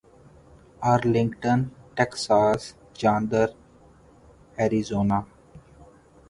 Arlington Texas Chandler Arizona